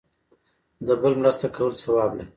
د بل مرسته کول ثواب لري